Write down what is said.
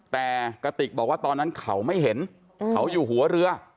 แต่กระติกบอกว่าตอนนั้นเขาไม่เห็นเขาอยู่หัวเรือ